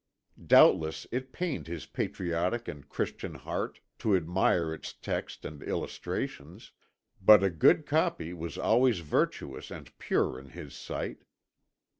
Doubtless it pained his patriotic and Christian heart to admire its text and illustrations, but a good copy was always virtuous and pure in his sight.